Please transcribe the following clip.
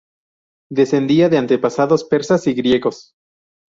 Descendía de antepasados persas y griegos.